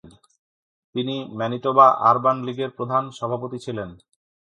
তিনি Manitoba urban লীগের প্রথম সভাপতি ছিলেন।